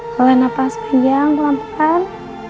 tolong nafas panjang pelan pelan